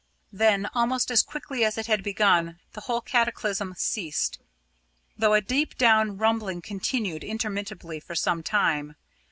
Then almost as quickly as it had begun, the whole cataclysm ceased, though a deep down rumbling continued intermittently for some time.